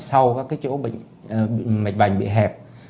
sau các cái chỗ mạch vành bị hẹp